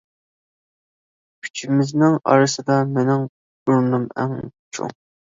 ئۈچىمىزنىڭ ئارىسىدا مىنىڭ ئورنۇم ئەڭ چوڭ.